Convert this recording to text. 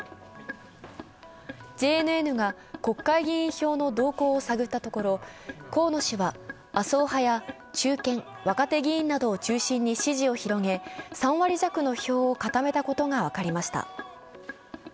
ＪＮＮが国会議員票の動向を探ったところ、河野氏は麻生派や中堅・若手議員などを中心に支持を広げ、３割弱の票を固めたことが分かりました。